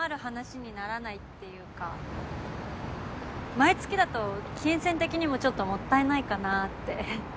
毎月だと金銭的にもちょっともったいないかなって。